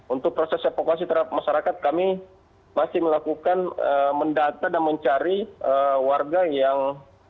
untuk proses evakuasi terhadap masyarakat kami masih melakukan mendata dan mencari warga yang